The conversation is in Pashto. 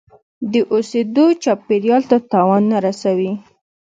د اوسیدو چاپیریال ته تاوان نه رسوي.